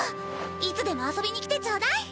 いつでも遊びに来てちょうだい。